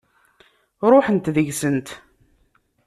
Ṛuḥent deg-sent.